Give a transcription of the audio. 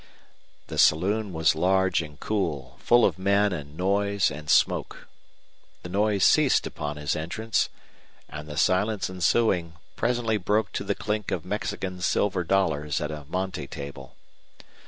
The saloon was large and cool, full of men and noise and smoke. The noise ceased upon his entrance, and the silence ensuing presently broke to the clink of Mexican silver dollars at a monte table.